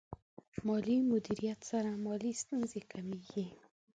مالي مدیریت سره مالي ستونزې کمېږي.